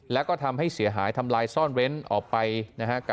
แล้วก็ทำให้เสียหายทำลายซ่อนเว้นออกไปนะฮะ